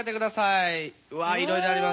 うわいろいろありますね。